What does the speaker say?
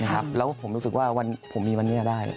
แล้วผมรู้สึกว่าผมมีวันนี้ได้